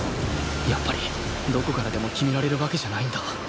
やっぱりどこからでも決められるわけじゃないんだ